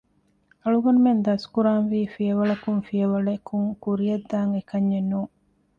އަޅުގަނޑުމެން ދަސްކުރާންވީ ފިޔަވަޅަކުން ފިޔަވަޅަކުން ކުރިޔަށްދާން އެކަންޏެއް ނޫން